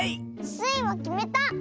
スイはきめた！